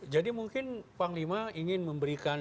jadi mungkin panglima ingin memberikan